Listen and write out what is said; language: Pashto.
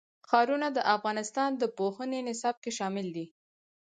ښارونه د افغانستان د پوهنې نصاب کې شامل دي.